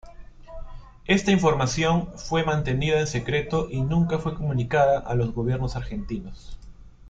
Esta información fue mantenida en secreto y nunca fue comunicada a los gobiernos argentinos.